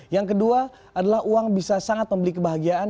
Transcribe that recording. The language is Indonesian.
yang kedua adalah uang bisa sangat membeli kebahagiaan